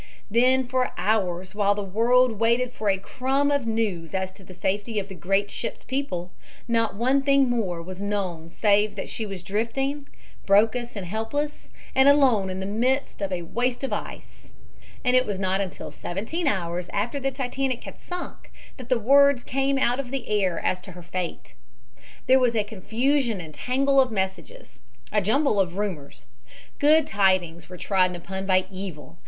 Then for hours, while the world waited for a crumb of news as to the safety of the great ship's people, not one thing more was known save that she was drifting, broken and helpless and alone in the midst of a waste of ice. And it was not until seventeen hours after the Titanic had sunk that the words came out of the air as to her fate. There was a confusion and tangle of messages a jumble of rumors. Good tidings were trodden upon by evil.